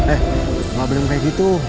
eh gak boleh kayak gitu